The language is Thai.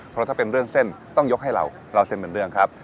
เพราะถ้าเป็นเรื่องเส้นต้องยกให้เราเล่าเส้นเป็นเรื่องครับ